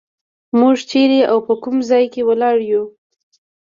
موږ چېرته او په کوم ځای کې ولاړ یو.